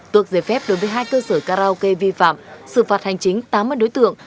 tuộc giải phép đối với hai cơ sở karaoke vi phạm sự phạt hành chính tám mươi đối tượng